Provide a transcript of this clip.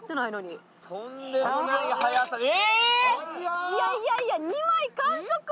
いやいやいや２枚完食。